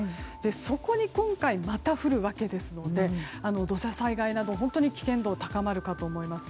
そこに今回、また降るわけですので土砂災害など、本当に危険度が高まるかと思います。